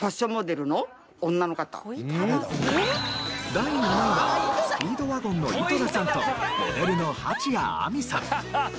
第７位はスピードワゴンの井戸田さんとモデルの蜂谷晏海さん。